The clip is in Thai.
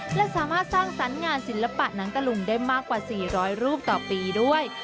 และสามารถสร้างสรรค์งานศิลปะหนังตะลุงได้มากกว่า๔๐๐รูปต่อปีด้วย